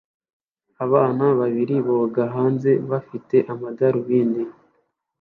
Abana babiri boga hanze bafite amadarubindi